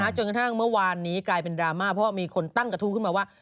จนกระทั่งเมื่อวานนี้กลายเป็นดราม่าเพราะว่ามีคนตั้งกระทู้ขึ้นมาว่า